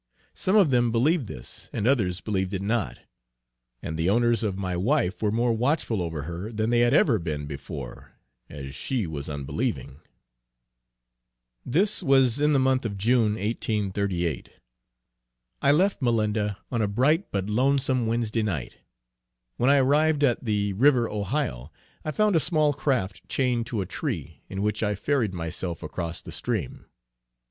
Some of them believed this, and others believed it not; and the owners of my wife were more watchful over her than they had ever been before as she was unbelieving. This was in the month of June, 1838. I left Malinda on a bright but lonesome Wednesday night. When I arrived at the river Ohio, I found a small craft chained to a tree, in which I ferried myself across the stream.